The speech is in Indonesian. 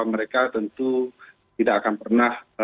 mereka tentu tidak akan pernah